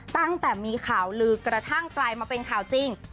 ตั้งแต่มีข่าวลือกระทั่งกลายมาเป็นข่าวจริง